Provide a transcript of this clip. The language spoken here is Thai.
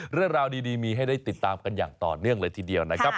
เรื่องราวดีมีให้ได้ติดตามกันอย่างต่อเนื่องเลยทีเดียวนะครับ